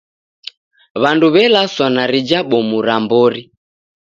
W'andu w'elaswa na rija bomu ra mbori.